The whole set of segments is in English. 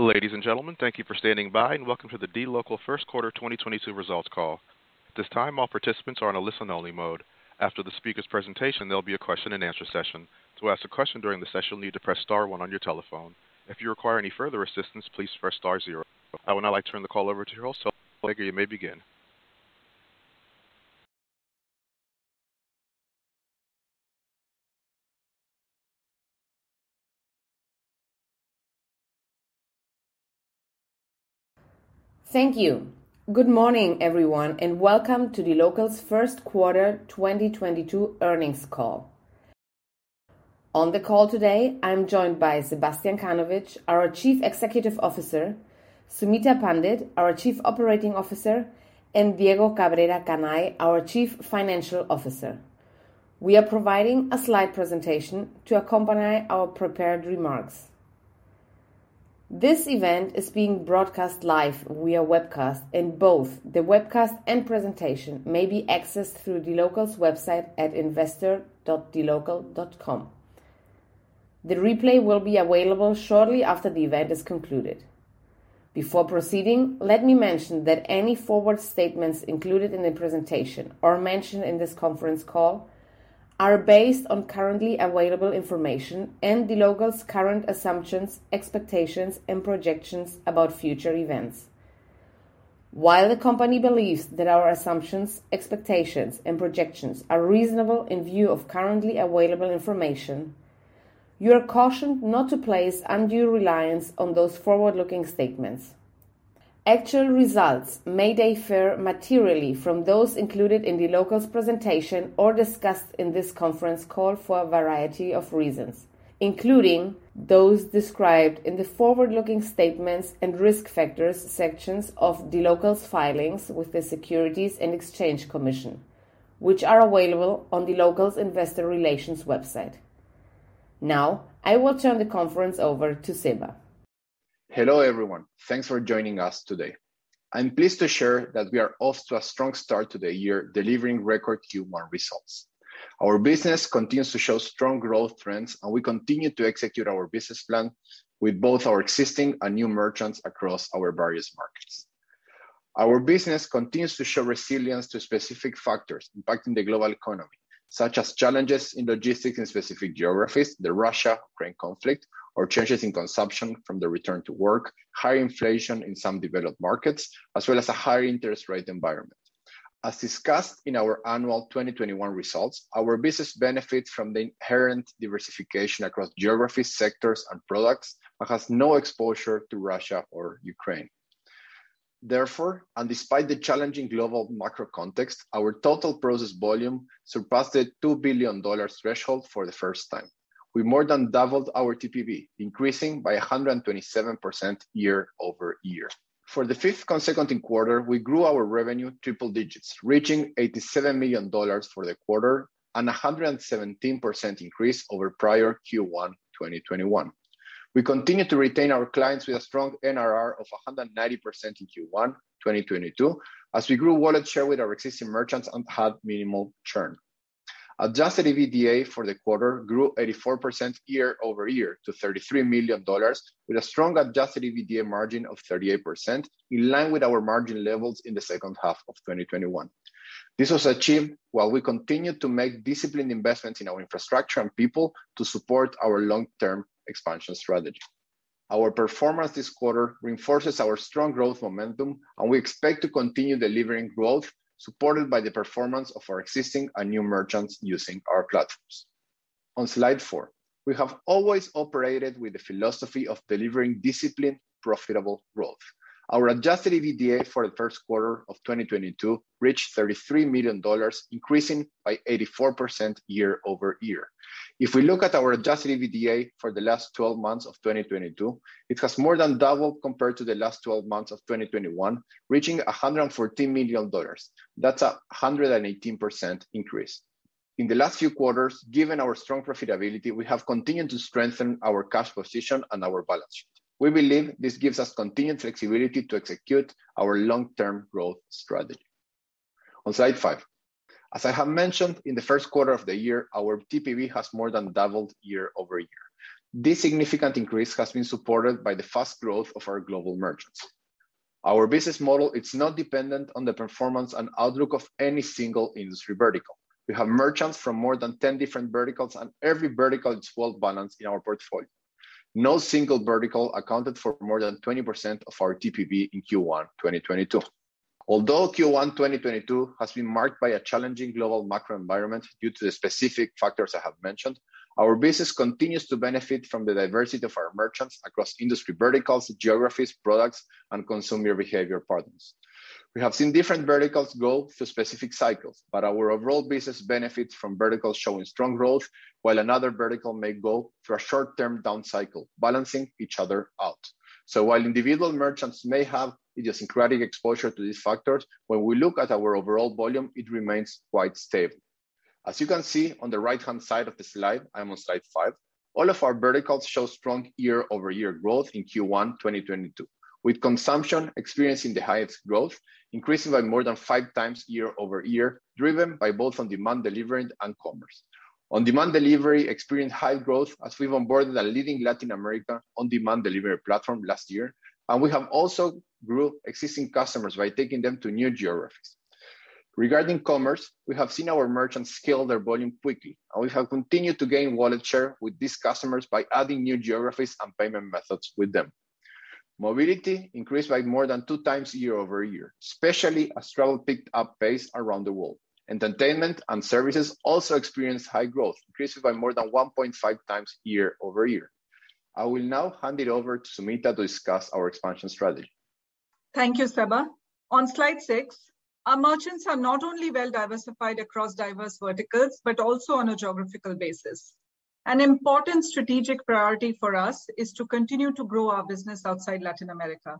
Ladies and gentlemen, thank you for standing by, and welcome to the dLocal first quarter 2022 results call. At this time, all participants are on a listen-only mode. After the speaker's presentation, there'll be a question and answer session. To ask a question during the session, you'll need to press star one on your telephone. If you require any further assistance, please press star zero. I would now like to turn the call over to turn the call over to your host, Soledad Nager. You may begin. Thank you. Good morning, everyone, and welcome to dLocal's first quarter 2022 earnings call. On the call today, I'm joined by Sebastián Kanovich, our Chief Executive Officer, Sumita Pandit, our Chief Operating Officer, and Diego Cabrera Canay, our Chief Financial Officer. We are providing a slide presentation to accompany our prepared remarks. This event is being broadcast live via webcast, and both the webcast and presentation may be accessed through dLocal's website at investor.dlocal.com. The replay will be available shortly after the event is concluded. Before proceeding, let me mention that any forward-looking statements included in the presentation or mentioned in this conference call are based on currently available information and dLocal's current assumptions, expectations, and projections about future events. While the company believes that our assumptions, expectations, and projections are reasonable in view of currently available information, you are cautioned not to place undue reliance on those forward-looking statements. Actual results may differ materially from those included in dLocal's presentation or discussed in this conference call for a variety of reasons, including those described in the forward-looking statements and risk factors sections of dLocal's filings with the Securities and Exchange Commission, which are available on dLocal's Investor Relations website. Now, I will turn the conference over to Seba. Hello, everyone. Thanks for joining us today. I'm pleased to share that we are off to a strong start to the year, delivering record Q1 results. Our business continues to show strong growth trends, and we continue to execute our business plan with both our existing and new merchants across our various markets. Our business continues to show resilience to specific factors impacting the global economy, such as challenges in logistics in specific geographies, the Russia-Ukraine conflict, or changes in consumption from the return to work, high inflation in some developed markets, as well as a higher interest rate environment. As discussed in our annual 2021 results, our business benefits from the inherent diversification across geographies, sectors, and products, and has no exposure to Russia or Ukraine. Therefore, and despite the challenging global macro context, our total process volume surpassed the $2 billion threshold for the first time. We more than doubled our TPV, increasing by 127% year-over-year. For the 5th consecutive quarter, we grew our revenue triple digits, reaching $87 million for the quarter and a 117% increase over prior Q1 2021. We continue to retain our clients with a strong NRR of 190% in Q1 2022, as we grew wallet share with our existing merchants and had minimal churn. Adjusted EBITDA for the quarter grew 84% year-over-year to $33 million with a strong adjusted EBITDA margin of 38%, in line with our margin levels in the second half of 2021. This was achieved while we continued to make disciplined investments in our infrastructure and people to support our long-term expansion strategy. Our performance this quarter reinforces our strong growth momentum, and we expect to continue delivering growth supported by the performance of our existing and new merchants using our platforms. On slide four, we have always operated with the philosophy of delivering disciplined, profitable growth. Our adjusted EBITDA for the first quarter of 2022 reached $33 million, increasing by 84% year over year. If we look at our adjusted EBITDA for the last 12 months of 2022, it has more than doubled compared to the last twelve months of 2021, reaching $114 million. That's a 118% increase. In the last few quarters, given our strong profitability, we have continued to strengthen our cash position and our balance sheet. We believe this gives us continued flexibility to execute our long-term growth strategy. On slide five, as I have mentioned, in the first quarter of the year, our TPV has more than doubled year over year. This significant increase has been supported by the fast growth of our global merchants. Our business model is not dependent on the performance and outlook of any single industry vertical. We have merchants from more than 10 different verticals, and every vertical is well-balanced in our portfolio. No single vertical accounted for more than 20% of our TPV in Q1 2022. Although Q1 2022 has been marked by a challenging global macro environment due to the specific factors I have mentioned, our business continues to benefit from the diversity of our merchants across industry verticals, geographies, products, and consumer behavior patterns. We have seen different verticals go through specific cycles, but our overall business benefits from verticals showing strong growth, while another vertical may go through a short-term down cycle, balancing each other out. While individual merchants may have idiosyncratic exposure to these factors, when we look at our overall volume, it remains quite stable. As you can see on the right-hand side of the slide, I'm on slide five, all of our verticals show strong year-over-year growth in Q1 2022. With consumption experiencing the highest growth, increasing by more than 5x year-over-year, driven by both on-demand delivery and commerce. On-demand delivery experienced high growth as we've onboarded a leading Latin American on-demand delivery platform last year, and we have also grew existing customers by taking them to new geographies. Regarding commerce, we have seen our merchants scale their volume quickly, and we have continued to gain wallet share with these customers by adding new geographies and payment methods with them. Mobility increased by more than 2x year-over-year, especially as travel picked up pace around the world. Entertainment and services also experienced high growth, increasing by more than 1.5x year-over-year. I will now hand it over to Sumita to discuss our expansion strategy. Thank you, Seba. On slide six, our merchants are not only well diversified across diverse verticals but also on a geographical basis. An important strategic priority for us is to continue to grow our business outside Latin America.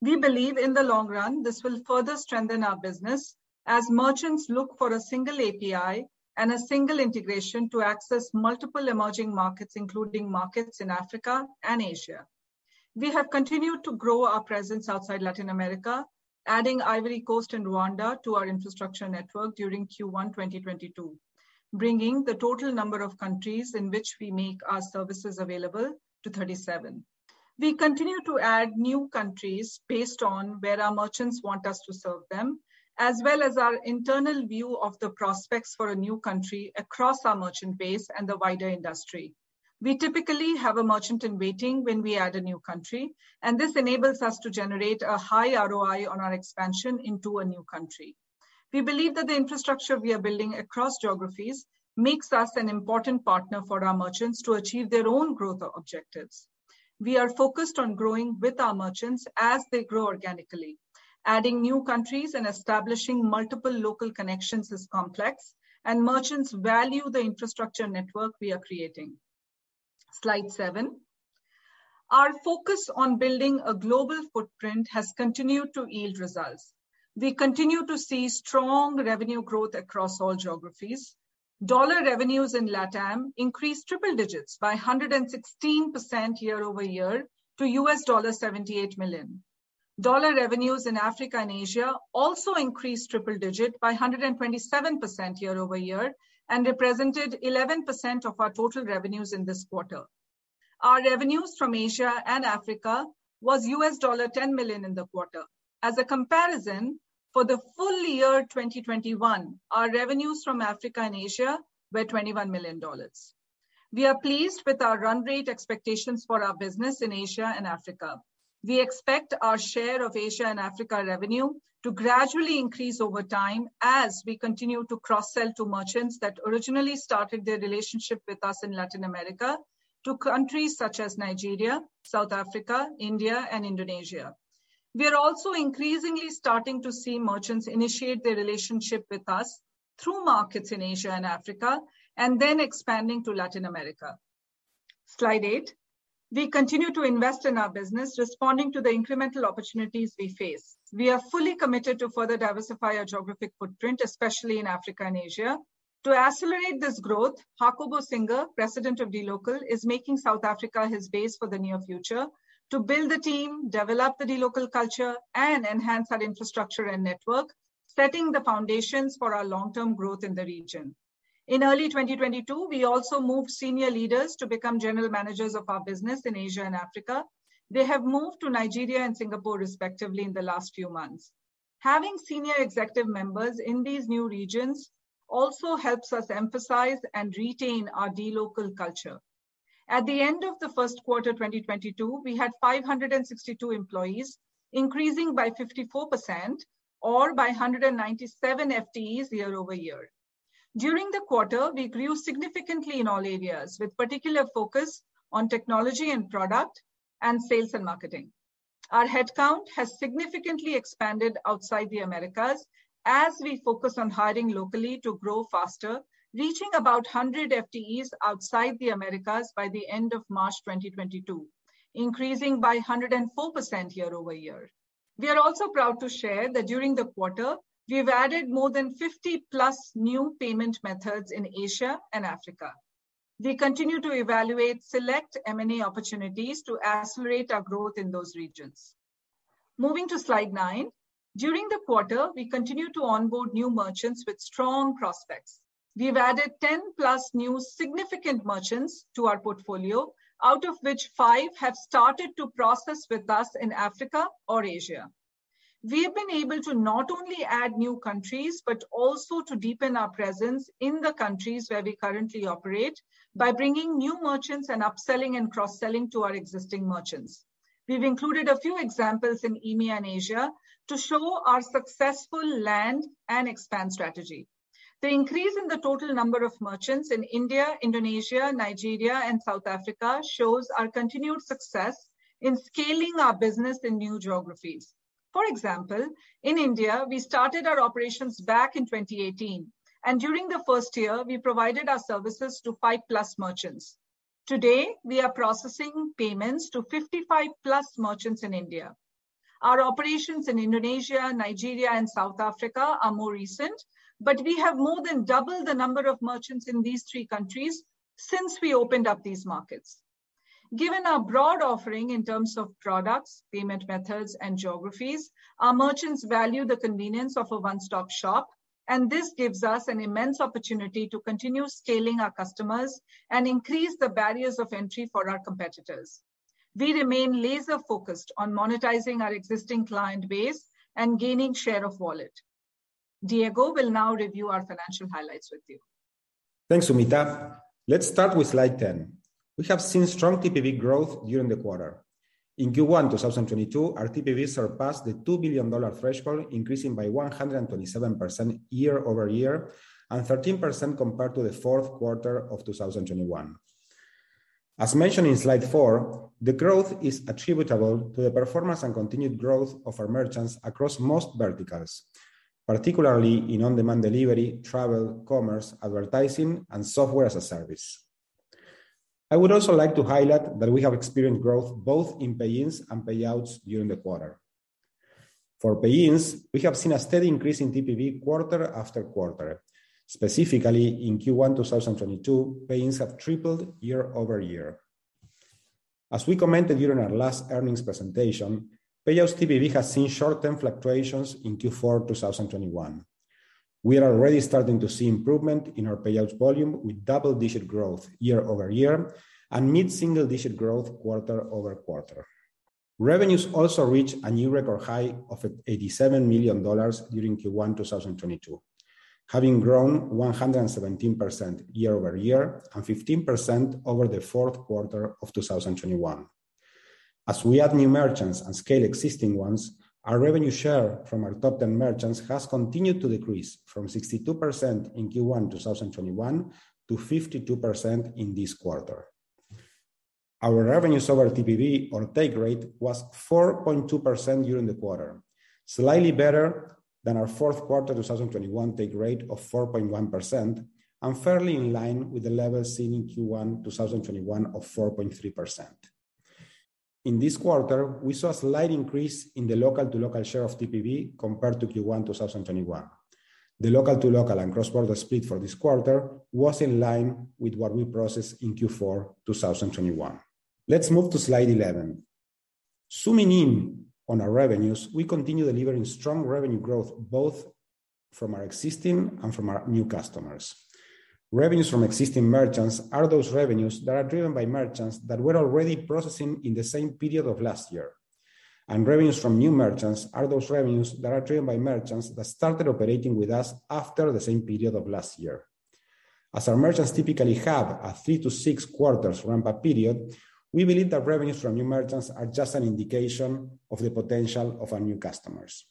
We believe, in the long run, this will further strengthen our business as merchants look for a single API and a single integration to access multiple emerging markets, including markets in Africa and Asia. We have continued to grow our presence outside Latin America, adding Ivory Coast and Rwanda to our infrastructure network during Q1 2022, bringing the total number of countries in which we make our services available to 37. We continue to add new countries based on where our merchants want us to serve them, as well as our internal view of the prospects for a new country across our merchant base and the wider industry. We typically have a merchant in waiting when we add a new country, and this enables us to generate a high ROI on our expansion into a new country. We believe that the infrastructure we are building across geographies makes us an important partner for our merchants to achieve their own growth objectives. We are focused on growing with our merchants as they grow organically. Adding new countries and establishing multiple local connections is complex, and merchants value the infrastructure network we are creating. Slide seven. Our focus on building a global footprint has continued to yield results. We continue to see strong revenue growth across all geographies. Dollar revenues in LATAM increased triple digits by 116% year-over-year to $78 million. Dollar revenues in Africa and Asia also increased triple-digit by 127% year-over-year and represented 11% of our total revenues in this quarter. Our revenues from Asia and Africa was $10 million in the quarter. As a comparison, for the full year 2021, our revenues from Africa and Asia were $21 million. We are pleased with our run rate expectations for our business in Asia and Africa. We expect our share of Asia and Africa revenue to gradually increase over time as we continue to cross-sell to merchants that originally started their relationship with us in Latin America to countries such as Nigeria, South Africa, India, and Indonesia. We are also increasingly starting to see merchants initiate their relationship with us through markets in Asia and Africa and then expanding to Latin America. Slide eight. We continue to invest in our business, responding to the incremental opportunities we face. We are fully committed to further diversify our geographic footprint, especially in Africa and Asia. To accelerate this growth, Jacobo Singer, president of dLocal, is making South Africa his base for the near future to build the team, develop the dLocal culture, and enhance our infrastructure and network, setting the foundations for our long-term growth in the region. In early 2022, we also moved senior leaders to become general managers of our business in Asia and Africa. They have moved to Nigeria and Singapore, respectively, in the last few months. Having senior executive members in these new regions also helps us emphasize and retain our dLocal culture. At the end of the first quarter 2022, we had 562 employees, increasing by 54% or by 197 FTEs year-over-year. During the quarter, we grew significantly in all areas, with particular focus on technology and product and sales and marketing. Our headcount has significantly expanded outside the Americas as we focus on hiring locally to grow faster, reaching about 100 FTEs outside the Americas by the end of March 2022, increasing by 104% year-over-year. We are also proud to share that during the quarter, we've added more than 50+ new payment methods in Asia and Africa. We continue to evaluate, select M&A opportunities to accelerate our growth in those regions. Moving to slide nine. During the quarter, we continued to onboard new merchants with strong prospects. We've added 10+ new significant merchants to our portfolio, out of which five have started to process with us in Africa or Asia. We have been able to not only add new countries but also to deepen our presence in the countries where we currently operate by bringing new merchants and upselling and cross-selling to our existing merchants. We've included a few examples in EMEA and Asia to show our successful land and expand strategy. The increase in the total number of merchants in India, Indonesia, Nigeria, and South Africa shows our continued success in scaling our business in new geographies. For example, in India, we started our operations back in 2018, and during the first year, we provided our services to 5+ merchants. Today, we are processing payments to 55+ merchants in India. Our operations in Indonesia, Nigeria, and South Africa are more recent, but we have more than doubled the number of merchants in these three countries since we opened up these markets. Given our broad offering in terms of products, payment methods, and geographies, our merchants value the convenience of a one-stop shop, and this gives us an immense opportunity to continue scaling our customers and increase the barriers of entry for our competitors. We remain laser-focused on monetizing our existing client base and gaining share of wallet. Diego will now review our financial highlights with you. Thanks, Sumita. Let's start with slide 10. We have seen strong TPV growth during the quarter. In Q1 2022, our TPV surpassed the $2 billion threshold, increasing by 127% year-over-year and 13% compared to the fourth quarter of 2021. As mentioned in slide four, the growth is attributable to the performance and continued growth of our merchants across most verticals, particularly in on-demand delivery, travel, commerce, advertising, and software-as-a-service. I would also like to highlight that we have experienced growth both in pay-ins and payouts during the quarter. For pay-ins, we have seen a steady increase in TPV quarter after quarter. Specifically, in Q1 2022, pay-ins have tripled year-over-year. As we commented during our last earnings presentation, payouts TPV has seen short-term fluctuations in Q4 2021. We are already starting to see improvement in our payouts volume with double-digit growth year-over-year and mid-single digit growth quarter-over-quarter. Revenues also reached a new record high of $87 million during Q1 2022, having grown 117% year-over-year and 15% over the fourth quarter of 2021. As we add new merchants and scale existing ones, our revenue share from our top 10 merchants has continued to decrease from 62% in Q1 2021 to 52% in this quarter. Our revenue over TPV or take rate was 4.2% during the quarter, slightly better than our fourth quarter 2021 take rate of 4.1% and fairly in line with the level seen in Q1 2021 of 4.3%. In this quarter, we saw a slight increase in the local-to-local share of TPV compared to Q1 2021. The local-to-local and cross-border split for this quarter was in line with what we processed in Q4 2021. Let's move to slide 11. Zooming in on our revenues, we continue delivering strong revenue growth both from our existing and from our new customers. Revenues from existing merchants are those revenues that are driven by merchants that were already processing in the same period of last year. Revenues from new merchants are those revenues that are driven by merchants that started operating with us after the same period of last year. As our merchants typically have a 3-6 quarters ramp-up period, we believe that revenues from new merchants are just an indication of the potential of our new customers.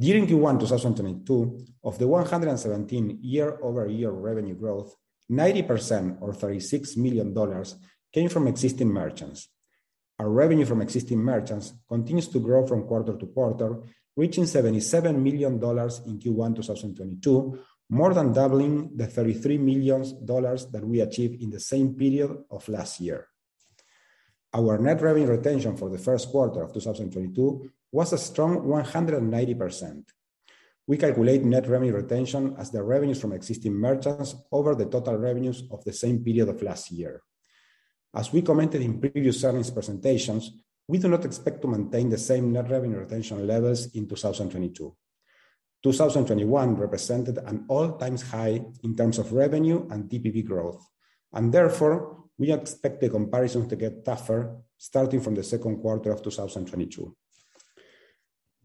During Q1 2022, of the 117% year-over-year revenue growth, 90% or $36 million came from existing merchants. Our revenue from existing merchants continues to grow from quarter to quarter, reaching $77 million in Q1 2022, more than doubling the $33 million that we achieved in the same period of last year. Our net revenue retention for the first quarter of 2022 was a strong 190%. We calculate net revenue retention as the revenues from existing merchants over the total revenues of the same period of last year. As we commented in previous earnings presentations, we do not expect to maintain the same net revenue retention levels in 2022. 2021 represented an all-time high in terms of revenue and TPV growth, and therefore, we expect the comparison to get tougher starting from the second quarter of 2022.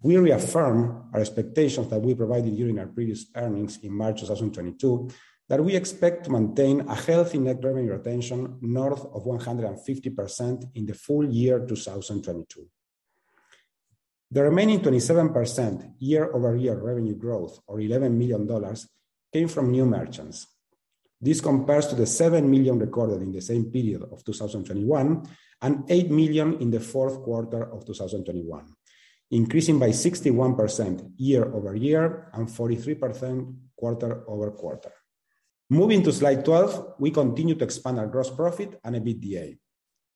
We reaffirm our expectations that we provided during our previous earnings in March 2022 that we expect to maintain a healthy net revenue retention north of 150% in the full year 2022. The remaining 27% year-over-year revenue growth or $11 million came from new merchants. This compares to the $7 million recorded in the same period of 2021 and $8 million in the fourth quarter of 2021, increasing by 61% year-over-year and 43% quarter-over-quarter. Moving to slide 12, we continue to expand our gross profit and EBITDA.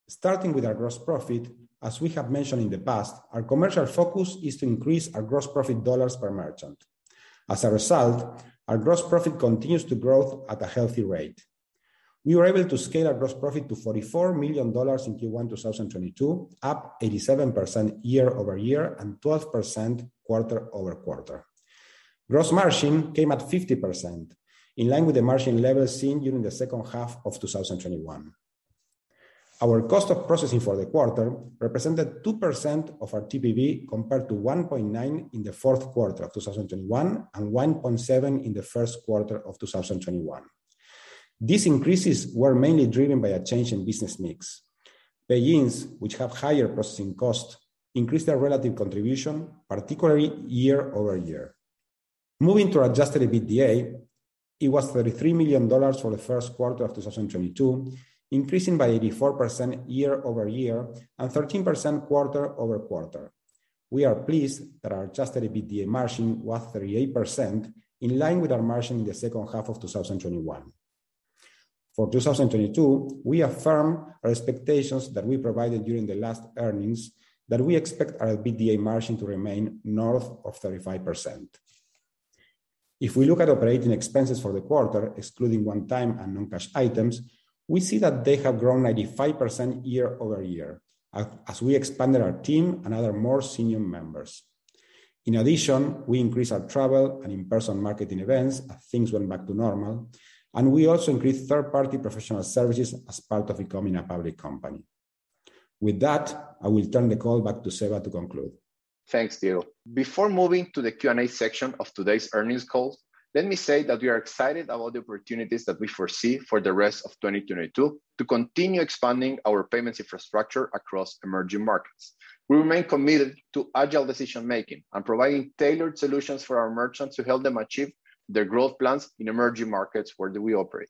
Starting with our gross profit, as we have mentioned in the past, our commercial focus is to increase our gross profit dollars per merchant. As a result, our gross profit continues to grow at a healthy rate. We were able to scale our gross profit to $44 million in Q1 2022, up 87% year-over-year and 12% quarter-over-quarter. Gross margin came at 50%, in line with the margin levels seen during the second half of 2021. Our cost of processing for the quarter represented 2% of our TPV compared to 1.9% in the fourth quarter of 2021 and 1.7% in the first quarter of 2021. These increases were mainly driven by a change in business mix. Pay-ins, which have higher processing costs, increased their relative contribution, particularly year-over-year. Moving to adjusted EBITDA, it was $33 million for the first quarter of 2022, increasing by 84% year-over-year and 13% quarter-over-quarter. We are pleased that our adjusted EBITDA margin was 38%, in line with our margin in the second half of 2021. For 2022, we affirm our expectations that we provided during the last earnings that we expect our EBITDA margin to remain north of 35%. If we look at operating expenses for the quarter, excluding one-time and non-cash items, we see that they have grown 95% year-over-year as we expanded our team and other more senior members. In addition, we increased our travel and in-person marketing events as things went back to normal, and we also increased third-party professional services as part of becoming a public company. With that, I will turn the call back to Seba to conclude. Thanks, Diego. Before moving to the Q&A section of today's earnings call, let me say that we are excited about the opportunities that we foresee for the rest of 2022 to continue expanding our payments infrastructure across emerging markets. We remain committed to agile decision making and providing tailored solutions for our merchants to help them achieve their growth plans in emerging markets where we operate.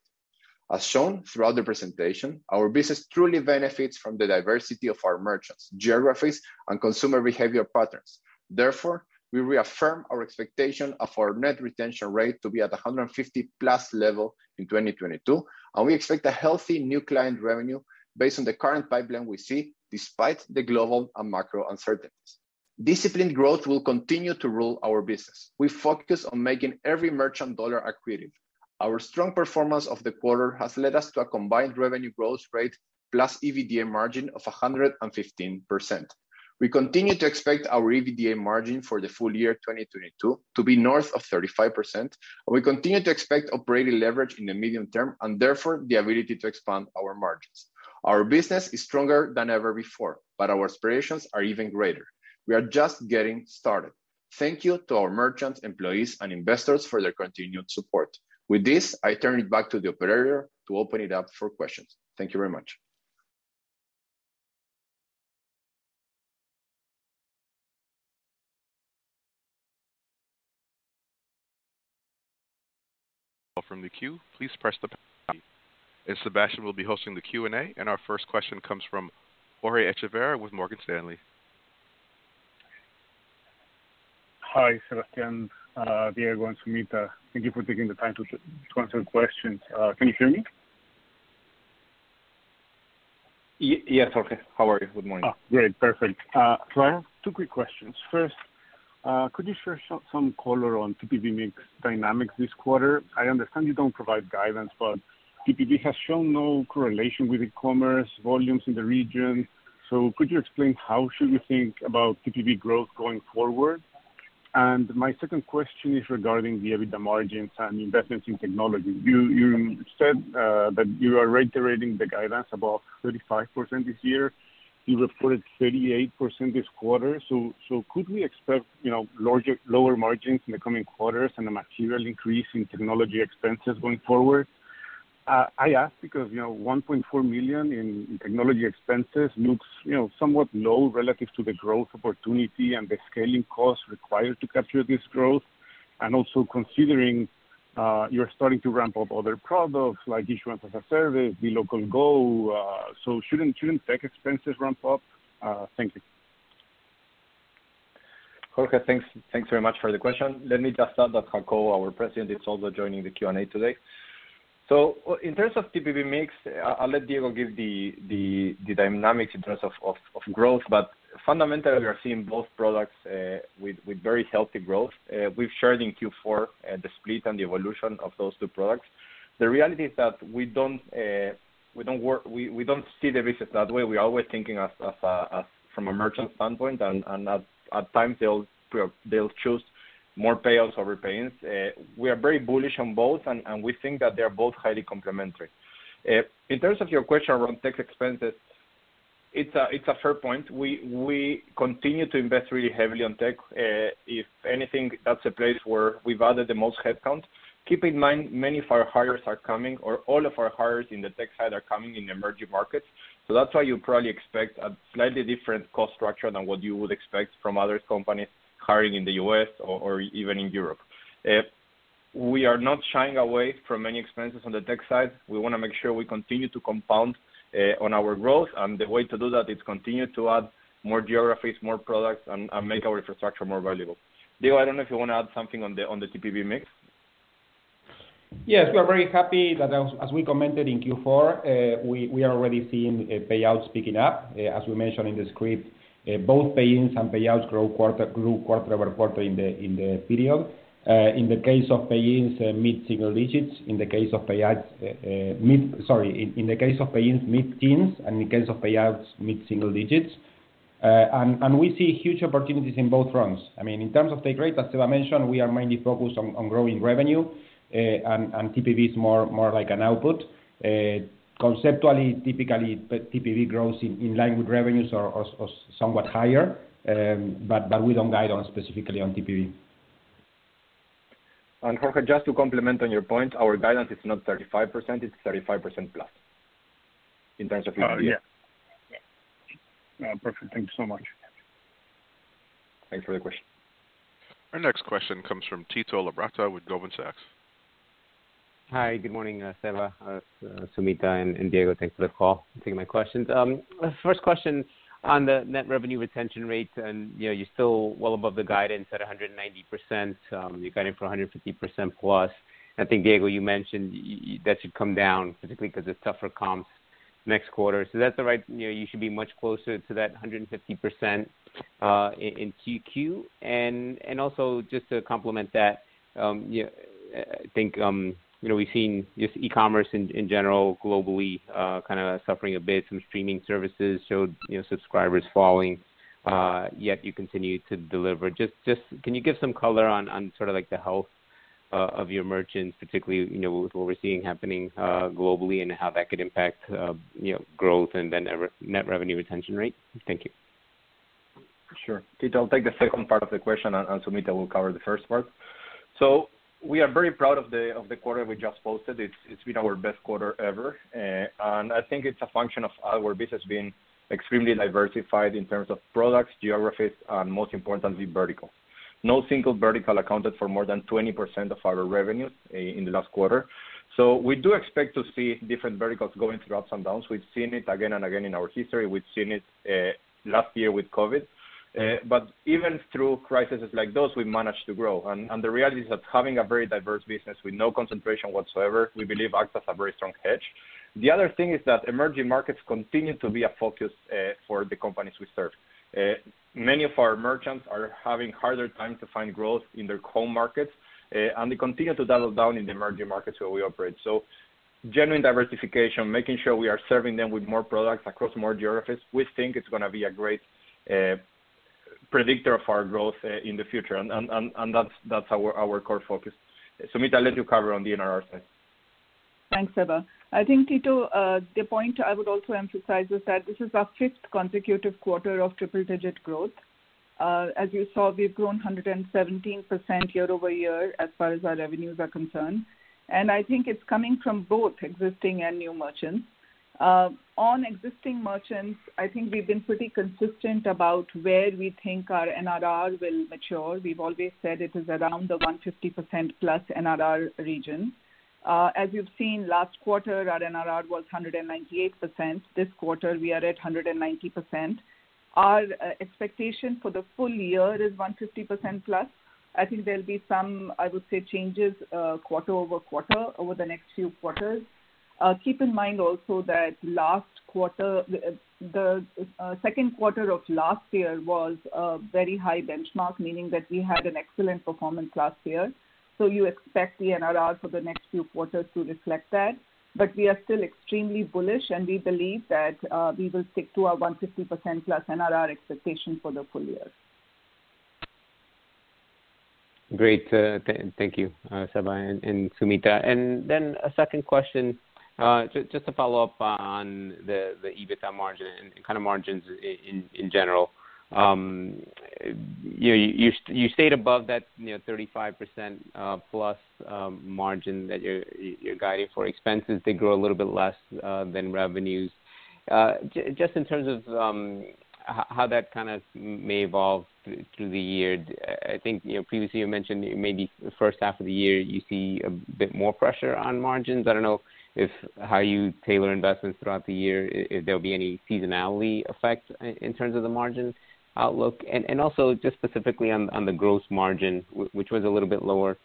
As shown throughout the presentation, our business truly benefits from the diversity of our merchants, geographies, and consumer behavior patterns. Therefore, we reaffirm our expectation of our net retention rate to be at a 150+ level in 2022, and we expect a healthy new client revenue based on the current pipeline we see despite the global and macro uncertainties. Disciplined growth will continue to rule our business. We focus on making every merchant dollar accretive. Our strong performance of the quarter has led us to a combined revenue growth rate plus EBITDA margin of 115%. We continue to expect our EBITDA margin for the full year 2022 to be north of 35%. We continue to expect operating leverage in the medium term and therefore the ability to expand our margins. Our business is stronger than ever before, but our aspirations are even greater. We are just getting started. Thank you to our merchants, employees, and investors for their continued support. With this, I turn it back to the operator to open it up for questions. Thank you very much. From the queue, please press star one, and Sebastián will be hosting the Q&A. Our first question comes from Jorge Echevarria with Morgan Stanley. Hi, Sebastián, Diego, and Sumita. Thank you for taking the time to answer questions. Can you hear me? Yes, Jorge. How are you? Good morning. Oh, great. Perfect. I have two quick questions. First, could you share some color on TPV mix dynamics this quarter? I understand you don't provide guidance, but TPV has shown no correlation with e-commerce volumes in the region. Could you explain how should we think about TPV growth going forward? My second question is regarding the EBITDA margins and investments in technology. You said that you are reiterating the guidance above 35% this year. You reported 38% this quarter. Could we expect, you know, lower margins in the coming quarters and a material increase in technology expenses going forward? I ask because, you know, $1.4 million in technology expenses looks, you know, somewhat low relative to the growth opportunity and the scaling costs required to capture this growth. Also considering, you're starting to ramp up other products like issuance as a service, dLocal Go, so shouldn't tech expenses ramp up? Thank you. Jorge, thanks very much for the question. Let me just add that Jacobo, our president, is also joining the Q&A today. In terms of TPV mix, I'll let Diego give the dynamics in terms of growth. Fundamentally we are seeing both products with very healthy growth. We've shared in Q4 the split and the evolution of those two products. The reality is that we don't see the business that way. We're always thinking as from a merchant standpoint. At times they'll choose more payouts over pay-ins. We are very bullish on both and we think that they're both highly complementary. In terms of your question around tech expenses, it's a fair point. We continue to invest really heavily on tech. If anything, that's a place where we've added the most headcount. Keep in mind, many of our hires are coming, or all of our hires in the tech side are coming in emerging markets. So that's why you probably expect a slightly different cost structure than what you would expect from other companies hiring in the U.S. or even in Europe. We are not shying away from any expenses on the tech side. We want to make sure we continue to compound on our growth. The way to do that is continue to add more geographies, more products, and make our infrastructure more valuable. Diego, I don't know if you want to add something on the TPV mix. Yes, we are very happy that as we commented in Q4, we are already seeing payouts picking up. As we mentioned in the script, both pay-ins and payouts grew quarter-over-quarter in the period. In the case of pay-ins, mid-teens, and in case of payouts, mid-single digits. We see huge opportunities in both fronts. I mean, in terms of take rate, as Seba mentioned, we are mainly focused on growing revenue, and TPV is more like an output. Conceptually, typically TPV grows in line with revenues or somewhat higher. We don't guide specifically on TPV. Jorge, just to complement on your point, our guidance is not 35%, it's 35%+ in terms of TPV. Oh, yeah. Yeah. Perfect. Thank you so much. Thanks for the question. Our next question comes from Tito Labarta with Goldman Sachs. Hi, good morning, Seba, Sumita, and Diego. Thanks for the call and taking my questions. First question on the net revenue retention rates, you know, you're still well above the guidance at 190%. You're guiding for 150%+. I think, Diego, you mentioned that should come down, particularly because of tougher comps next quarter. That's right, you know, you should be much closer to that 150% in Q2. Also, just to complement that, I think, you know, we've seen e-commerce in general globally kind of suffering a bit. Streaming services showed, you know, subscribers falling, yet you continue to deliver. Just can you give some color on sort of like the health of your merchants, particularly, you know, with what we're seeing happening globally and how that could impact, you know, growth and then net revenue retention rate? Thank you. Sure. Tito, I'll take the second part of the question, and Sumita will cover the first part. We are very proud of the quarter we just posted. It's been our best quarter ever. I think it's a function of our business being extremely diversified in terms of products, geographies, and most importantly, vertical. No single vertical accounted for more than 20% of our revenue in the last quarter. We do expect to see different verticals going through ups and downs. We've seen it again and again in our history. We've seen it last year with COVID. Even through crises like those, we managed to grow. The reality is that having a very diverse business with no concentration whatsoever, we believe acts as a very strong hedge. The other thing is that emerging markets continue to be a focus for the companies we serve. Many of our merchants are having harder time to find growth in their core markets, and they continue to double down in the emerging markets where we operate. Genuine diversification, making sure we are serving them with more products across more geographies, we think it's gonna be a great predictor of our growth in the future. That's our core focus. Sumita, I'll let you cover on the NRR side. Thanks, Seba. I think, Tito, the point I would also emphasize is that this is our 5th consecutive quarter of triple-digit growth. As you saw, we've grown 117% year-over-year as far as our revenues are concerned. I think it's coming from both existing and new merchants. On existing merchants, I think we've been pretty consistent about where we think our NRR will mature. We've always said it is around the 150%+ NRR region. As you've seen last quarter, our NRR was 198%. This quarter, we are at 190%. Our expectation for the full year is 150%+. I think there'll be some, I would say, changes, quarter-over-quarter over the next few quarters. Keep in mind also that last quarter, the second quarter of last year was a very high benchmark, meaning that we had an excellent performance last year. You expect the NRR for the next few quarters to reflect that. We are still extremely bullish, and we believe that we will stick to our 150%+ NRR expectation for the full year. Great. Thank you, Seba and Sumita. A second question, just to follow up on the EBITDA margin and kind of margins in general. You know, you stayed above that 35% plus margin that you're guiding for. Expenses, they grow a little bit less than revenues. Just in terms of how that kind of may evolve through the year, I think, you know, previously you mentioned maybe the first half of the year you see a bit more pressure on margins. I don't know if how you tailor investments throughout the year, if there'll be any seasonality effect in terms of the margins outlook. Also just specifically on the gross margin, which was a little bit lower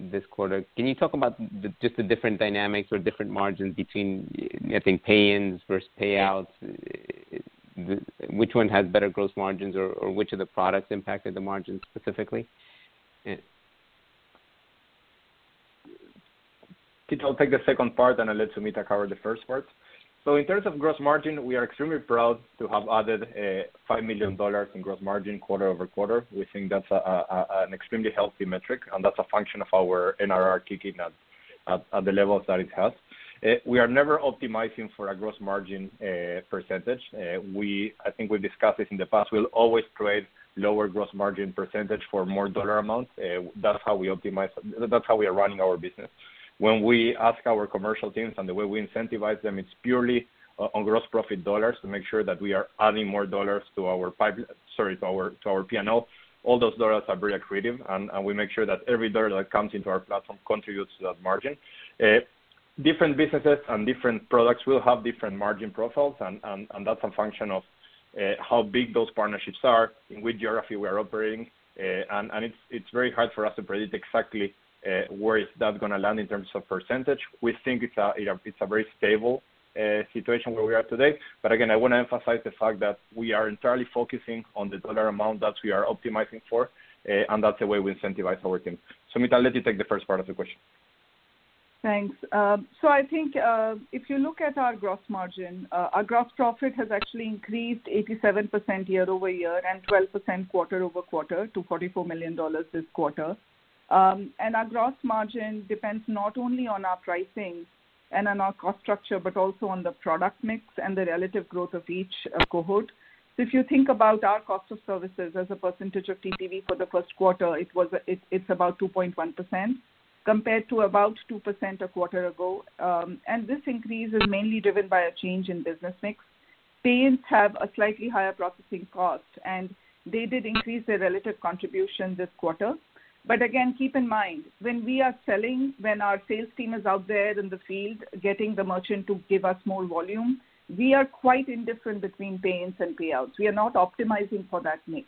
this quarter. Can you talk about the just the different dynamics or different margins between, I think, pay-ins versus pay-outs? Which one has better gross margins or which of the products impacted the margins specifically? Yeah. Tito, I'll take the second part, and I'll let Sumita cover the first part. In terms of gross margin, we are extremely proud to have added $5 million in gross margin quarter-over-quarter. We think that's an extremely healthy metric, and that's a function of our NRR kicking at the levels that it has. We are never optimizing for a gross margin percentage. I think we've discussed this in the past. We'll always trade lower gross margin percentage for more dollar amounts. That's how we optimize. That's how we are running our business. When we ask our commercial teams and the way we incentivize them, it's purely on gross profit dollars to make sure that we are adding more dollars to our P&L. All those dollars are very accretive, and we make sure that every dollar that comes into our platform contributes to that margin. Different businesses and different products will have different margin profiles and that's a function of how big those partnerships are, in which geography we are operating. It's very hard for us to predict exactly where is that gonna land in terms of percentage. We think it's a very stable situation where we are today. Again, I wanna emphasize the fact that we are entirely focusing on the dollar amount that we are optimizing for, and that's the way we incentivize our teams. Sumita, I'll let you take the first part of the question. Thanks. I think, if you look at our gross margin, our gross profit has actually increased 87% year-over-year and 12% quarter-over-quarter to $44 million this quarter. Our gross margin depends not only on our pricing and on our cost structure, but also on the product mix and the relative growth of each cohort. If you think about our cost of services as a percentage of TPV for the first quarter, it's about 2.1% compared to about 2% a quarter ago. This increase is mainly driven by a change in business mix. Pay-ins have a slightly higher processing cost, and they did increase their relative contribution this quarter. Again, keep in mind, when we are selling, when our sales team is out there in the field getting the merchant to give us more volume. We are quite indifferent between payments and payouts. We are not optimizing for that mix.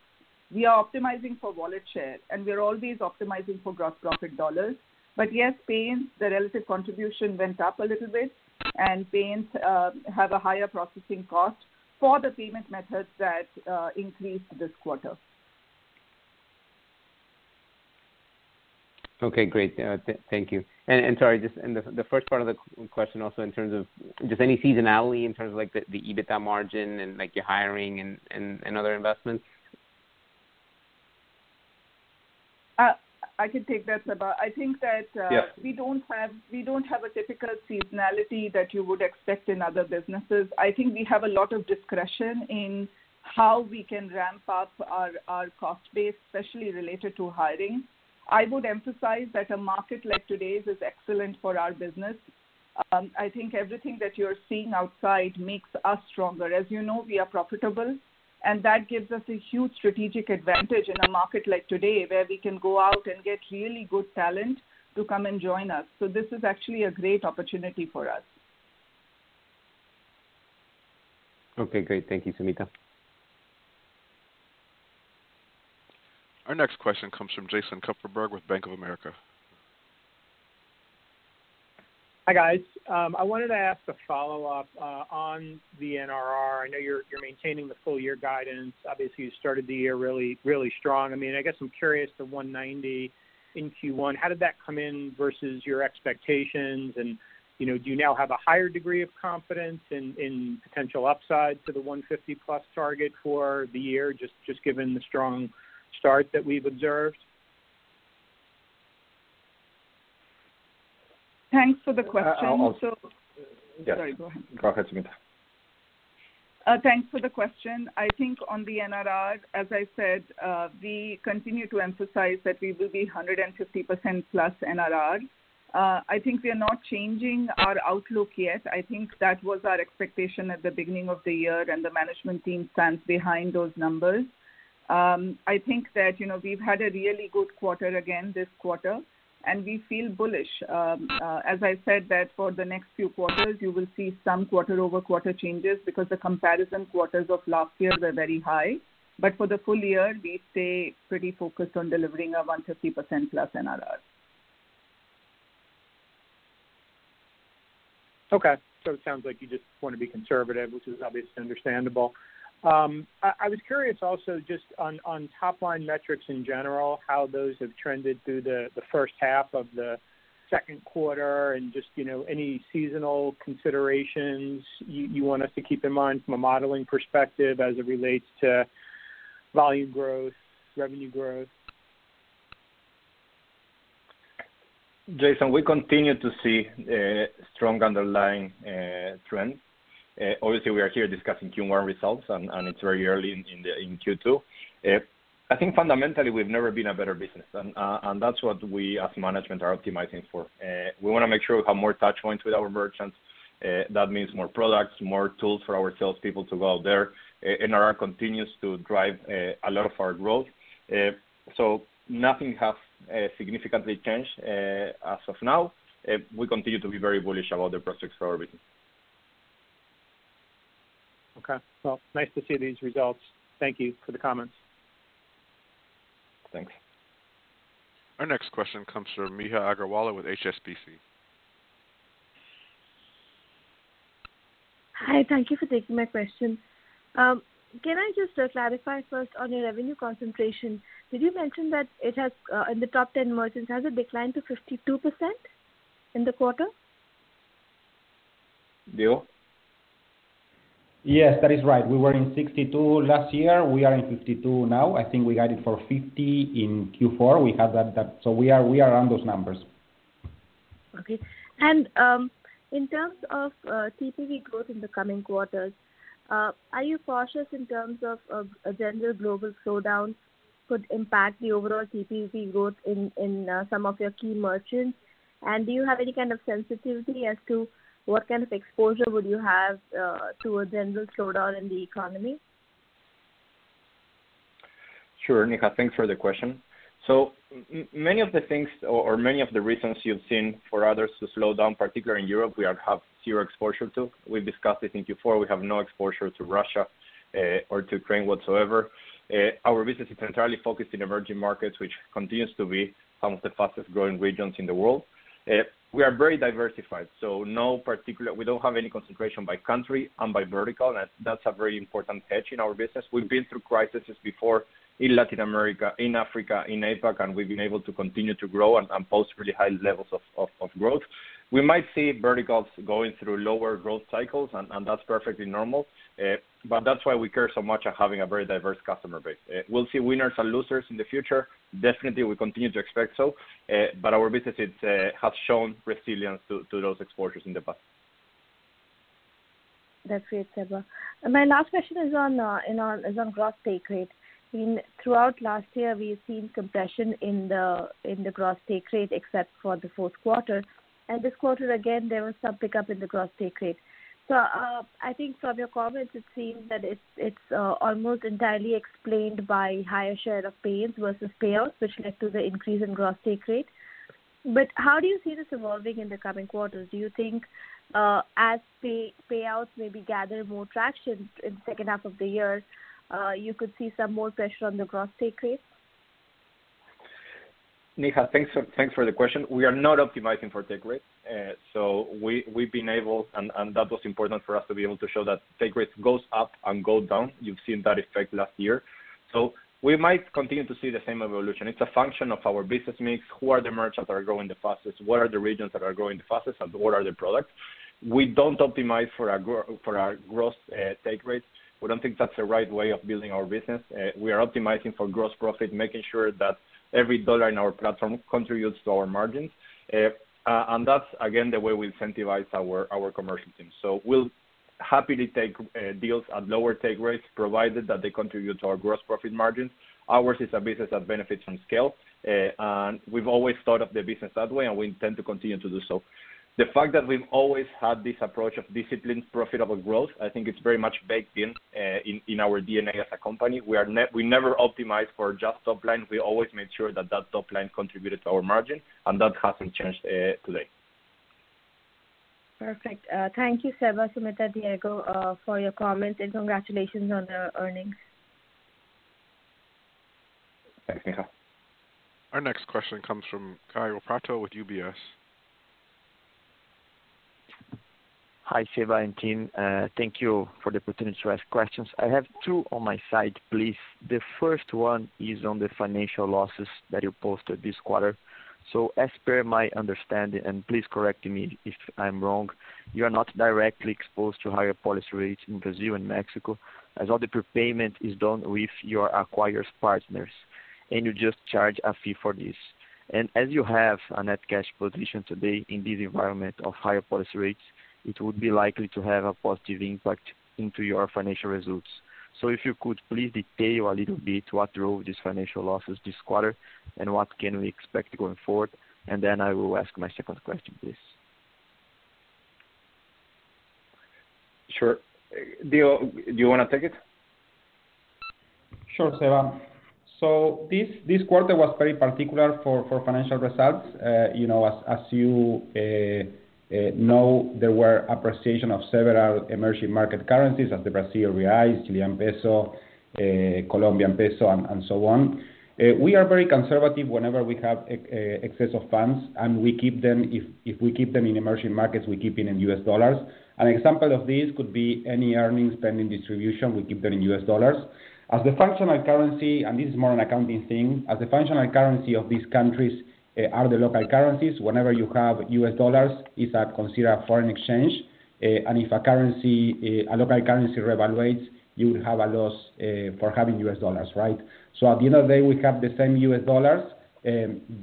We are optimizing for wallet share, and we are always optimizing for gross profit dollars. Yes, payments, the relative contribution went up a little bit, and payments have a higher processing cost for the payment methods that increased this quarter. Okay, great. Thank you. Sorry, and the first part of the question also in terms of just any seasonality in terms of like the EBITDA margin and like your hiring and other investments? I can take that, Seba. I think that- Yeah. We don't have a typical seasonality that you would expect in other businesses. I think we have a lot of discretion in how we can ramp up our cost base, especially related to hiring. I would emphasize that a market like today's is excellent for our business. I think everything that you're seeing outside makes us stronger. As you know, we are profitable, and that gives us a huge strategic advantage in a market like today, where we can go out and get really good talent to come and join us. This is actually a great opportunity for us. Okay, great. Thank you, Sumita. Our next question comes from Jason Kupferberg with Bank of America. Hi, guys. I wanted to ask a follow-up on the NRR. I know you're maintaining the full year guidance. Obviously, you started the year really strong. I mean, I guess I'm curious the 190% in Q1, how did that come in versus your expectations? You know, do you now have a higher degree of confidence in potential upside to the 150%+ target for the year just given the strong start that we've observed? Thanks for the question. I'll Sorry, go ahead. Go ahead, Sumita. Thanks for the question. I think on the NRR, as I said, we continue to emphasize that we will be 150%+ NRR. I think we are not changing our outlook yet. I think that was our expectation at the beginning of the year, and the management team stands behind those numbers. I think that, you know, we've had a really good quarter again this quarter, and we feel bullish. As I said that for the next few quarters, you will see some quarter-over-quarter changes because the comparison quarters of last year were very high. For the full year, we stay pretty focused on delivering a 150%+ NRR. Okay. It sounds like you just wanna be conservative, which is obviously understandable. I was curious also just on top line metrics in general, how those have trended through the first half of the second quarter and just, you know, any seasonal considerations you want us to keep in mind from a modeling perspective as it relates to volume growth, revenue growth? Jason, we continue to see strong underlying trends. Obviously, we are here discussing Q1 results and it's very early in Q2. I think fundamentally, we've never been a better business. That's what we as management are optimizing for. We wanna make sure we have more touch points with our merchants. That means more products, more tools for our sales people to go out there. NRR continues to drive a lot of our growth. Nothing has significantly changed as of now. We continue to be very bullish about the prospects for our business. Okay. Well, nice to see these results. Thank you for the comments. Thanks. Our next question comes from Neha Agarwala with HSBC. Hi, thank you for taking my question. Can I just clarify first on your revenue concentration? Did you mention that it has in the top 10 merchants, has it declined to 52% in the quarter? Diego? Yes, that is right. We were in 62% last year. We are in 52% now. I think we guided for 50% in Q4. We have that. We are around those numbers. Okay. In terms of TPV growth in the coming quarters, are you cautious in terms of a general global slowdown could impact the overall TPV growth in some of your key merchants? Do you have any kind of sensitivity as to what kind of exposure would you have to a general slowdown in the economy? Sure, Neha. Thanks for the question. Many of the reasons you've seen for others to slow down, particularly in Europe, we have zero exposure to. We've discussed this in Q4. We have no exposure to Russia or to Ukraine whatsoever. Our business is entirely focused in emerging markets, which continues to be some of the fastest-growing regions in the world. We are very diversified, so no particular. We don't have any concentration by country and by vertical, and that's a very important edge in our business. We've been through crises before in Latin America, in Africa, in APAC, and we've been able to continue to grow and post really high levels of growth. We might see verticals going through lower growth cycles, and that's perfectly normal. That's why we care so much of having a very diverse customer base. We'll see winners and losers in the future. Definitely, we continue to expect so. Our businesses have shown resilience to those exposures in the past. That's great, Seba. My last question is on gross take rate. Throughout last year, we've seen compression in the gross take rate, except for the fourth quarter. This quarter, again, there was some pickup in the gross take rate. I think from your comments, it seems that it's almost entirely explained by higher share of payments versus payouts, which led to the increase in gross take rate. How do you see this evolving in the coming quarters? Do you think, as payouts maybe gather more traction in second half of the year, you could see some more pressure on the gross take rate? Neha, thanks for the question. We are not optimizing for take rate. We've been able and that was important for us to be able to show that take rate goes up and go down. You've seen that effect last year. We might continue to see the same evolution. It's a function of our business mix. Who are the merchants that are growing the fastest? What are the regions that are growing the fastest, and what are the products? We don't optimize for our gross take rates. We don't think that's the right way of building our business. We are optimizing for gross profit, making sure that every dollar in our platform contributes to our margins. That's again the way we incentivize our commercial team. We'll happily take deals at lower take rates, provided that they contribute to our gross profit margins. Ours is a business that benefits from scale, and we've always thought of the business that way, and we intend to continue to do so. The fact that we've always had this approach of disciplined, profitable growth, I think it's very much baked in in our DNA as a company. We never optimize for just top line. We always make sure that top line contributed to our margin, and that hasn't changed today. Perfect. Thank you, Seba, Sumita, Diego, for your comments, and congratulations on the earnings. Thanks, Neha. Our next question comes from Kaio Prato with UBS. Hi, Seba and team. Thank you for the opportunity to ask questions. I have two on my side, please. The first one is on the financial losses that you posted this quarter. As per my understanding, and please correct me if I'm wrong, you are not directly exposed to higher policy rates in Brazil and Mexico, as all the prepayment is done with your acquired partners, and you just charge a fee for this. As you have a net cash position today in this environment of higher policy rates, it would be likely to have a positive impact into your financial results. If you could please detail a little bit what drove these financial losses this quarter, and what can we expect going forward? Then I will ask my second question, please. Sure. Diego, do you wanna take it? Sure, Seba. This quarter was very particular for financial results. You know, as you know, there were appreciation of several emerging market currencies of the Brazilian real, Chilean peso, Colombian peso, and so on. We are very conservative whenever we have excess of funds, and we keep them. If we keep them in emerging markets, we keep it in U.S. dollars. An example of this could be any earnings pending distribution, we keep that in U.S. dollars. As the functional currency, and this is more an accounting thing, as the functional currency of these countries are the local currencies. Whenever you have U.S. dollars, it's considered a foreign exchange. If a currency, a local currency revalues, you would have a loss for having U.S. dollars, right? At the end of the day, we have the same U.S. dollars,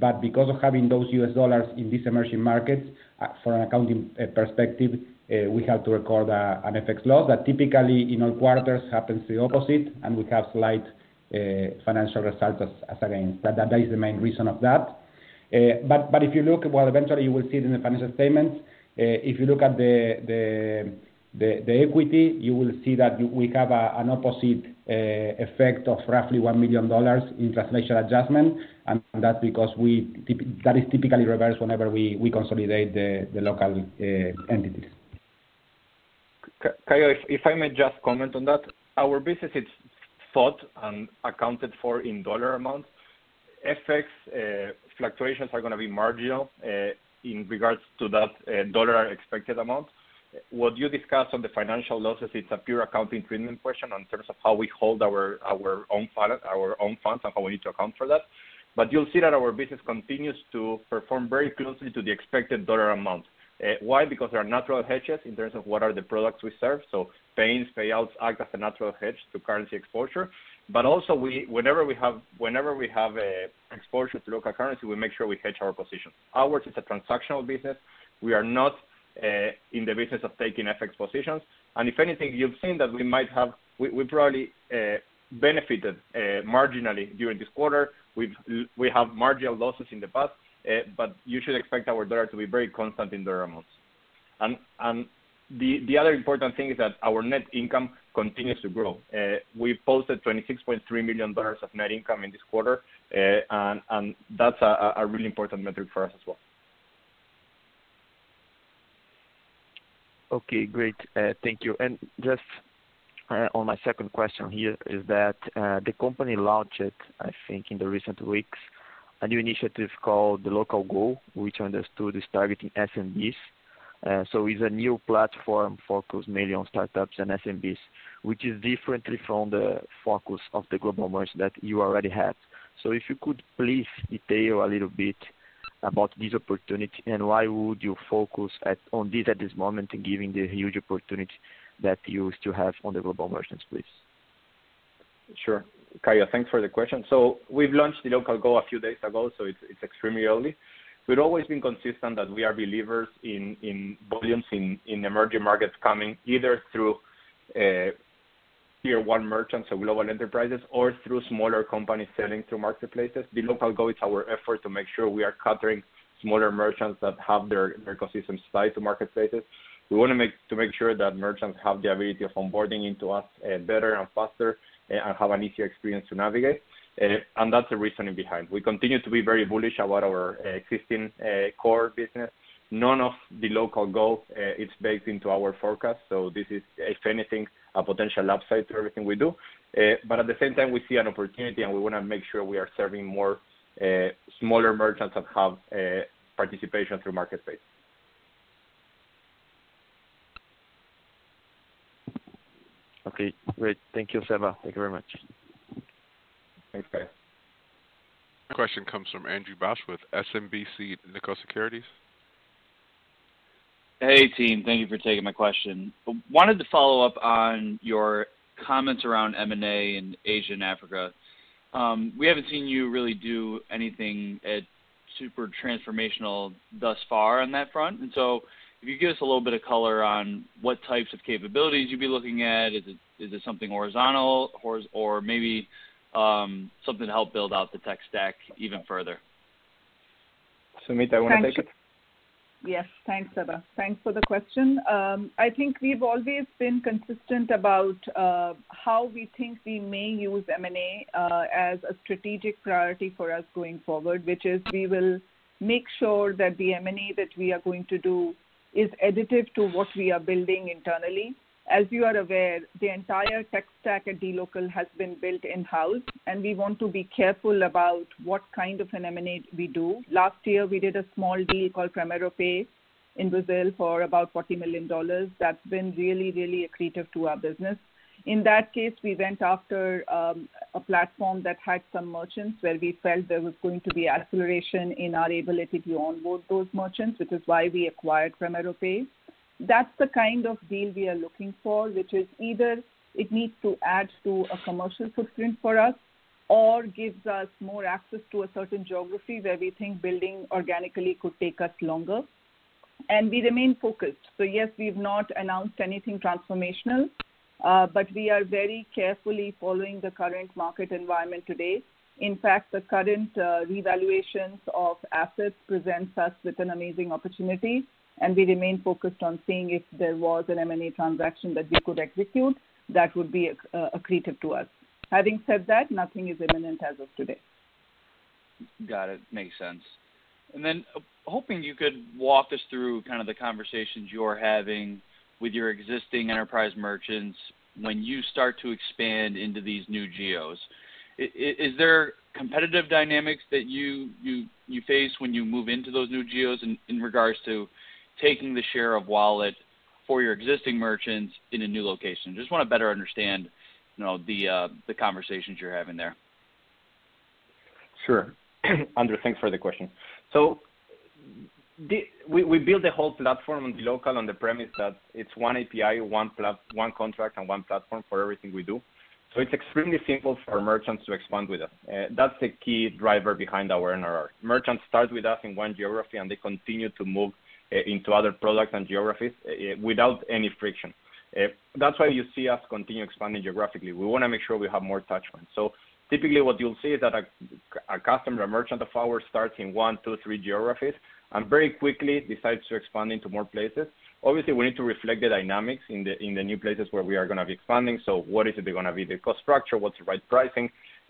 but because of having those U.S. dollars in this emerging market, from an accounting perspective, we have to record an FX loss that typically in all quarters happens the opposite, and we have slight financial results as a gain. That is the main reason of that. If you look, well, eventually you will see it in the financial statements. If you look at the equity, you will see that we have an opposite effect of roughly $1 million in translation adjustment. That's because that is typically reversed whenever we consolidate the local entities. Kaio, if I may just comment on that. Our business is thought and accounted for in dollar amounts. FX fluctuations are gonna be marginal in regards to that dollar expected amount. What you discussed on the financial losses, it's a pure accounting treatment question in terms of how we hold our own funds and how we need to account for that. You'll see that our business continues to perform very closely to the expected dollar amount. Why? Because there are natural hedges in terms of what are the products we serve. Payments, payouts act as a natural hedge to currency exposure. Also, whenever we have exposure to local currency, we make sure we hedge our positions. Ours is a transactional business. We are not in the business of taking FX positions. If anything, you've seen that we probably benefited marginally during this quarter. We have marginal losses in the past, but you should expect our dollar to be very constant in dollar amounts. The other important thing is that our net income continues to grow. We posted $26.3 million of net income in this quarter. That's a really important metric for us as well. Okay, great. Thank you. Just on my second question here is that the company launched, I think, in the recent weeks, a new initiative called dLocal Go, which I understood is targeting SMBs. It's a new platform focused mainly on startups and SMBs, which is differently from the focus of the global merchants that you already have. If you could please detail a little bit about this opportunity and why would you focus on this at this moment, given the huge opportunity that you still have on the global merchants, please? Sure. Kaio, thanks for the question. We've launched dLocal Go a few days ago, it's extremely early. We'd always been consistent that we are believers in volumes in emerging markets coming either through Tier 1 merchants or global enterprises or through smaller companies selling through marketplaces. dLocal Go is our effort to make sure we are covering smaller merchants that have their ecosystem tied to marketplaces. We wanna make to make sure that merchants have the ability of onboarding into us better and faster and have an easier experience to navigate. That's the reasoning behind. We continue to be very bullish about our existing core business. None of dLocal Go is baked into our forecast, so this is, if anything, a potential upside to everything we do. At the same time, we see an opportunity, and we wanna make sure we are serving more smaller merchants that have participation through marketplace. Okay, great. Thank you, Seba. Thank you very much. Thanks, Kaio. Our next question comes from Andrew Bauch with SMBC Nikko Securities. Hey, team. Thank you for taking my question. Wanted to follow up on your comments around M&A in Asia and Africa. We haven't seen you really do anything super transformational thus far on that front. If you could give us a little bit of color on what types of capabilities you'd be looking at. Is it something horizontal or maybe something to help build out the tech stack even further? Sumit, do you wanna take it? Yes. Thanks, Seba. Thanks for the question. I think we've always been consistent about how we think we may use M&A as a strategic priority for us going forward, which is we will make sure that the M&A that we are going to do is additive to what we are building internally. As you are aware, the entire tech stack at dLocal has been built in-house, and we want to be careful about what kind of an M&A we do. Last year, we did a small deal called PrimeiroPay in Brazil for about $40 million. That's been really, really accretive to our business. In that case, we went after a platform that had some merchants where we felt there was going to be acceleration in our ability to onboard those merchants, which is why we acquired PrimeiroPay. That's the kind of deal we are looking for, which is either it needs to add to a commercial footprint for us or gives us more access to a certain geography where we think building organically could take us longer. We remain focused. Yes, we've not announced anything transformational, but we are very carefully following the current market environment today. In fact, the current revaluations of assets presents us with an amazing opportunity, and we remain focused on seeing if there was an M&A transaction that we could execute that would be accretive to us. Having said that, nothing is imminent as of today. Got it. Makes sense. Hoping you could walk us through kind of the conversations you're having with your existing enterprise merchants when you start to expand into these new geos. Is there competitive dynamics that you face when you move into those new geos in regards to taking the share of wallet for your existing merchants in a new location? Just wanna better understand, you know, the conversations you're having there. Sure. Andrew, thanks for the question. We build the whole platform in dLocal on the premise that it's one API, one contract and one platform for everything we do. It's extremely simple for merchants to expand with us. That's the key driver behind our NRR. Merchants start with us in one geography, and they continue to move into other products and geographies without any friction. That's why you see us continue expanding geographically. We wanna make sure we have more touch points. Typically what you'll see is that a customer, a merchant of ours starts in one, two, three geographies and very quickly decides to expand into more places. Obviously, we need to reflect the dynamics in the new places where we are gonna be expanding. What is it gonna be the cost structure? What's the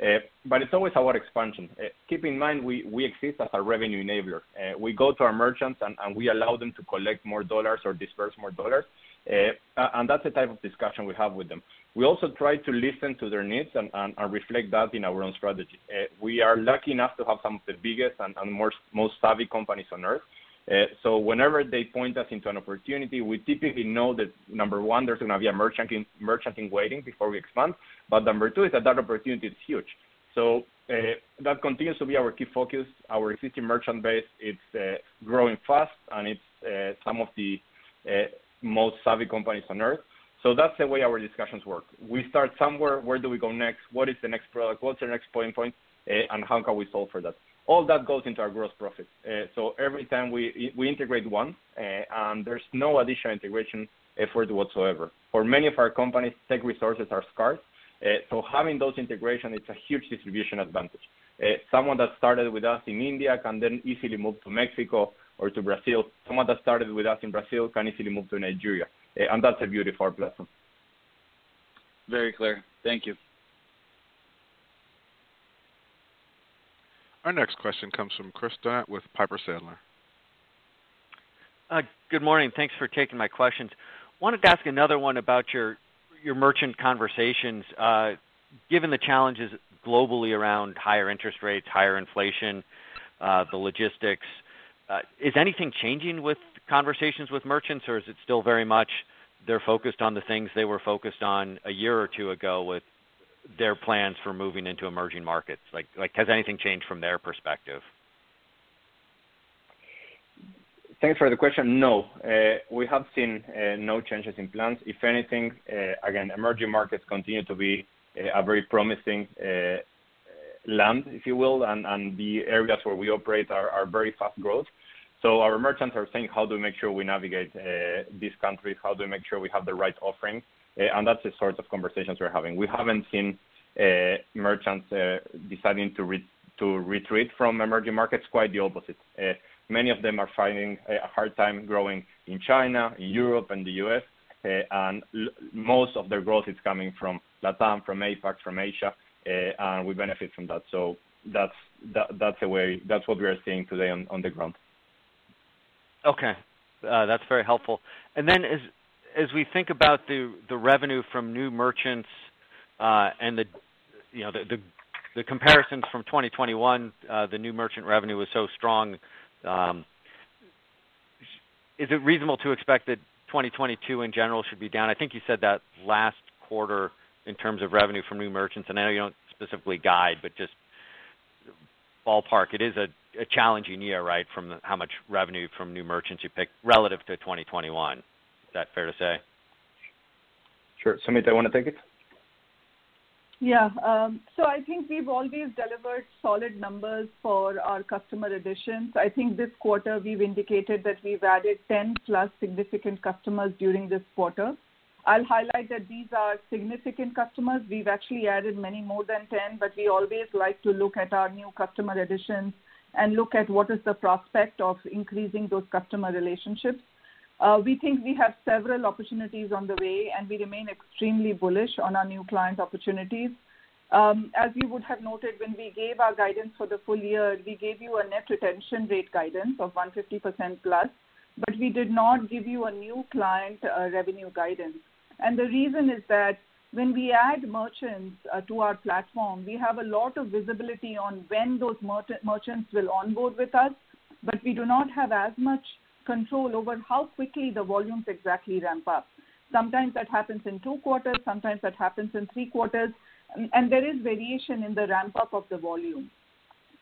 right pricing? It's always about expansion. Keep in mind, we exist as a revenue enabler. We go to our merchants and we allow them to collect more dollars or disperse more dollars. And that's the type of discussion we have with them. We also try to listen to their needs and reflect that in our own strategy. We are lucky enough to have some of the biggest and most savvy companies on Earth. Whenever they point us into an opportunity, we typically know that, number one, there's gonna be a merchant in waiting before we expand. Number two is that opportunity is huge. That continues to be our key focus. Our existing merchant base, it's growing fast, and it's some of the most savvy companies on Earth. That's the way our discussions work. We start somewhere, where do we go next? What is the next product? What's the next pain point, and how can we solve for that? All that goes into our gross profits. Every time we integrate once, and there's no additional integration effort whatsoever. For many of our companies, tech resources are scarce, so having those integration, it's a huge distribution advantage. Someone that started with us in India can then easily move to Mexico or to Brazil. Someone that started with us in Brazil can easily move to Nigeria. That's the beauty of our platform. Very clear. Thank you. Our next question comes from Chris Donat with Piper Sandler. Good morning. Thanks for taking my questions. Wanted to ask another one about your merchant conversations. Given the challenges globally around higher interest rates, higher inflation, the logistics, is anything changing with conversations with merchants, or is it still very much they're focused on the things they were focused on a year or two ago with their plans for moving into emerging markets? Like, has anything changed from their perspective? Thanks for the question. No. We have seen no changes in plans. If anything, again, emerging markets continue to be a very promising land, if you will, and the areas where we operate are very fast growth. Our merchants are saying, "How do we make sure we navigate these countries? How do we make sure we have the right offerings?" That's the sorts of conversations we're having. We haven't seen merchants deciding to retreat from emerging markets. Quite the opposite. Many of them are finding a hard time growing in China, in Europe, and the U.S., and most of their growth is coming from LATAM, from APAC, from Asia, and we benefit from that. That's a way. That's what we are seeing today on the ground. Okay. That's very helpful. As we think about the revenue from new merchants, and, you know, the comparisons from 2021, the new merchant revenue was so strong. Is it reasonable to expect that 2022 in general should be down? I think you said that last quarter in terms of revenue from new merchants, and I know you don't specifically guide, but just ballpark, it is a challenging year, right, from how much revenue from new merchants you pick relative to 2021. Is that fair to say? Sure. Sumit, do you wanna take it? Yeah. I think we've always delivered solid numbers for our customer additions. I think this quarter we've indicated that we've added 10+ significant customers during this quarter. I'll highlight that these are significant customers. We've actually added many more than 10, but we always like to look at our new customer additions and look at what is the prospect of increasing those customer relationships. We think we have several opportunities on the way, and we remain extremely bullish on our new client opportunities. As you would have noted, when we gave our guidance for the full year, we gave you a net retention rate guidance of 150%+, but we did not give you a new client revenue guidance. The reason is that when we add merchants to our platform, we have a lot of visibility on when those merchants will onboard with us, but we do not have as much control over how quickly the volumes exactly ramp up. Sometimes that happens in two quarters, sometimes that happens in three quarters, and there is variation in the ramp-up of the volume.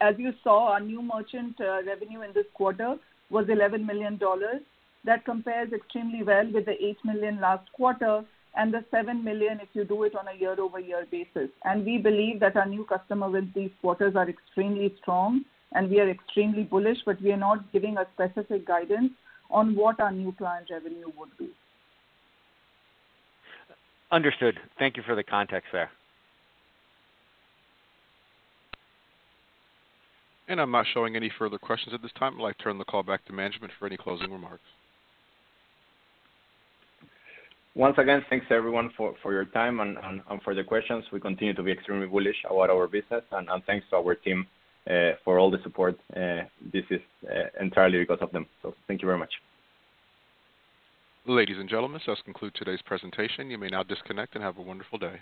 As you saw, our new merchant revenue in this quarter was $11 million. That compares extremely well with the $8 million last quarter and the $7 million if you do it on a year-over-year basis. We believe that our new customer wins these quarters are extremely strong, and we are extremely bullish, but we are not giving a specific guidance on what our new client revenue would be. Understood. Thank you for the context there. I'm not showing any further questions at this time. I'd like to turn the call back to management for any closing remarks. Once again, thanks everyone for your time and for the questions. We continue to be extremely bullish about our business. Thanks to our team for all the support. This is entirely because of them. Thank you very much. Ladies and gentlemen, this does conclude today's presentation. You may now disconnect and have a wonderful day.